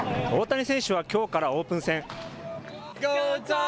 大谷選手はきょうからオープン戦。